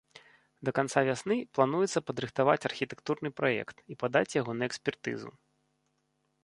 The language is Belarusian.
Да канца вясны плануецца падрыхтаваць архітэктурны праект і падаць яго на экспертызу.